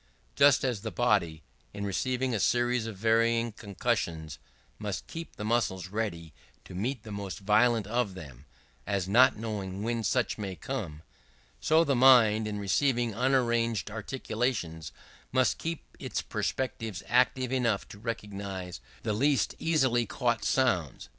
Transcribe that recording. Just as the body, in receiving a series of varying concussions, must keep the muscles ready to meet the most violent of them, as not knowing when such may come; so, the mind in receiving unarranged articulations, must keep its perceptives active enough to recognize the least easily caught sounds.